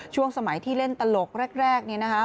ช่วงสมัยที่เล่นตลกแรกเนี่ยนะคะ